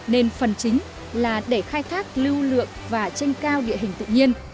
nên phần chính là để khai thác lưu lượng và trên cao địa hình tự nhiên